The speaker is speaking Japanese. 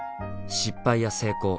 失敗や成功。